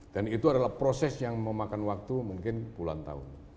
dan itu adalah proses yang memakan waktu mungkin puluhan tahun